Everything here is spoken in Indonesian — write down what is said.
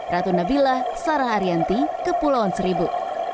ratu nabila sarah arianti kepulauan seribu